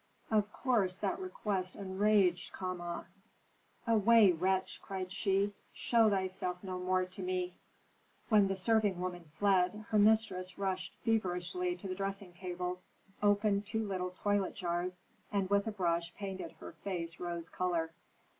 Of course that request enraged Kama. "Away, wretch," cried she; "show thyself no more to me!" When the serving woman fled, her mistress rushed feverishly to the dressing table, opened two little toilet jars, and with a brush painted her face rose color.